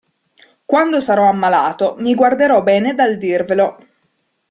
Quando sarò ammalato, mi guarderò bene dal dirvelo!